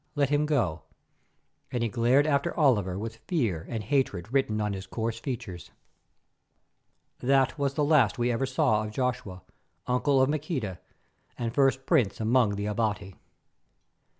Let him go!" and he glared after Oliver with fear and hatred written on his coarse features. That was the last we ever saw of Joshua, uncle of Maqueda, and first prince among the Abati.